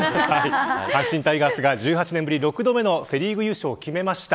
阪神タイガースが、１８年ぶり６度目のリーグ優勝を決めました。